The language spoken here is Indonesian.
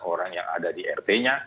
orang yang ada di rt nya